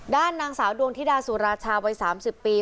ด้านนางสาวดวงธิดาสุราชาวัย๓๐ปี